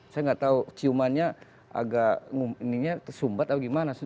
saya enggak tahu ciumannya agak ini nya tersumbat atau gimana